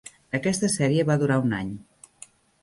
Aquesta sèrie va durar un any.